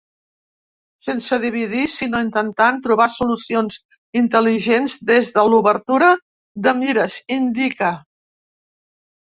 Sense dividir, sinó intentant trobar solucions intel·ligents des de l’obertura de mires, indica.